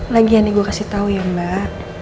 lagian nih gue kasih tau ya mbak